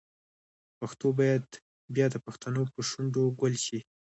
پښتو باید بیا د پښتنو په شونډو ګل شي.